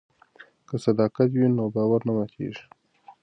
که صداقت وي نو باور نه ماتیږي.